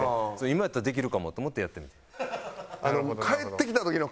「今やったらできるかも」と思ってやってみた。